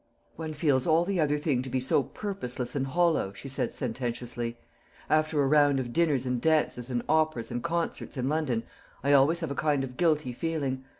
"One feels all the other thing to be so purposeless and hollow," she said sententiously. "After a round of dinners and dances and operas and concerts in London, I always have a kind of guilty feeling.